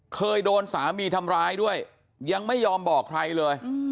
เคยโดนสามีทำร้ายด้วยยังไม่ยอมบอกใครเลย